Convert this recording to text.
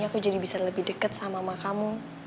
aku jadi bisa lebih deket sama mama kamu